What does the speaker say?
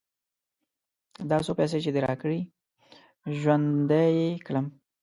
دا څو پيسې چې دې راکړې؛ ژوندی يې کړم.